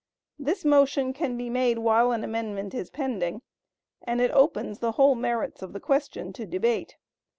This motion can be made while an amendment is pending, and it opens the whole merits of the question to debate.